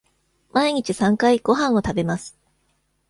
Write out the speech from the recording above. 毎日三回ごはんを食べます。